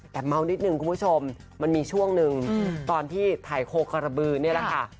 แต่เมานิดนึงคุณผู้ชมมันมีช่วงหนึ่งตอนที่ถ่ายโคคารบือนี่แหละค่ะ